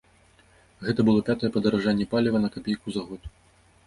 Гэта было пятае падаражанне паліва на капейку за год.